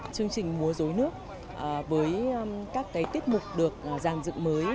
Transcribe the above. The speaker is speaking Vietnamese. chương trình mua rối nước với các tiết mục được giàn dựng mới